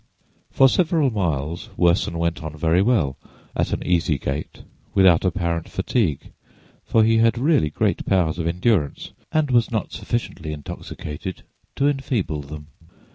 For several miles Worson went on very well, at an easy gait, without apparent fatigue, for he had really great powers of endurance and was not sufficiently intoxicated to enfeeble them.